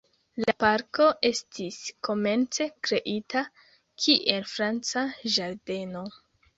La parko estis komence kreita kiel franca ĝardeno.